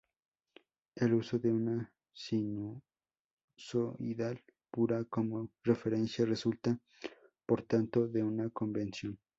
El uso de una sinusoidal pura como referencia resulta, por tanto, de una convención.